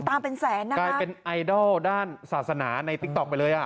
เป็นแสนนะคะกลายเป็นไอดอลด้านศาสนาในติ๊กต๊อกไปเลยอ่ะ